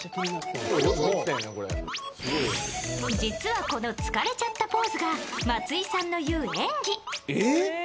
実はこの疲れちゃったポーズが松井さんの言う演技。